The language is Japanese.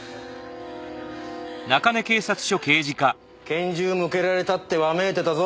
拳銃向けられたってわめいてたぞ。